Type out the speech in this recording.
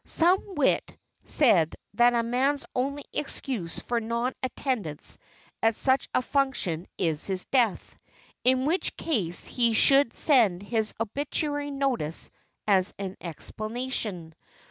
Some wit said that a man's only excuse for non attendance at such a function is his death, in which case he should send his obituary notice as an explanation.